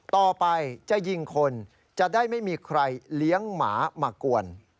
ต่อไปจะยิงคนจะได้ไม่มีใครเลี้ยงหมามากวน